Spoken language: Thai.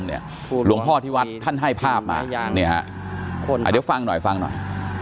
หลวงพ่อที่วัดให้ภาพมาฟังหน่อยฟังหน่อย